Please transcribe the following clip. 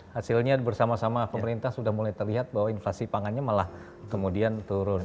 hasilnya bersama sama pemerintah sudah mulai terlihat bahwa inflasi pangannya malah kemudian turun